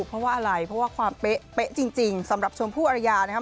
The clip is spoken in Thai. เพราะว่าอะไรเพราะว่าความเป๊ะจริงสำหรับชมพู่อรยานะครับ